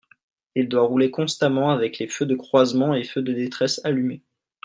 Il doit rouler constamment avec les feux de croisement et feux de détresse allumés.